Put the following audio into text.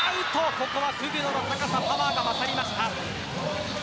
ここはクグノの高さ、パワーが勝りました。